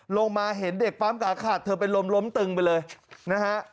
ลงมาเห็นเด็กปั๊มขาขาดเธอเป็นลมล้มตึงไปเลยนะฮะ